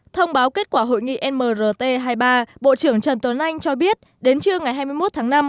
thông báo kết quả hội nghị mrt hai mươi ba bộ trưởng trần tuấn anh cho biết đến trưa ngày hai mươi một tháng năm